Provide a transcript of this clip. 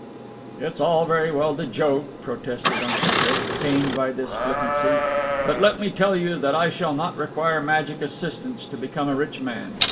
'" "It is all very well to joke," protested Uncle Chris, pained by this flippancy, "but let me tell you that I shall not require magic assistance to become a rich man.